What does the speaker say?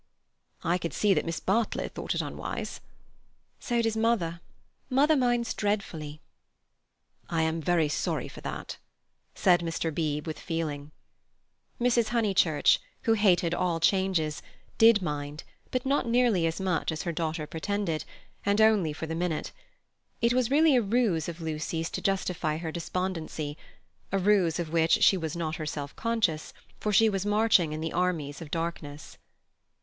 "I could see that Miss Bartlett thought it unwise." "So does mother. Mother minds dreadfully." "I am very sorry for that," said Mr. Beebe with feeling. Mrs. Honeychurch, who hated all changes, did mind, but not nearly as much as her daughter pretended, and only for the minute. It was really a ruse of Lucy's to justify her despondency—a ruse of which she was not herself conscious, for she was marching in the armies of darkness.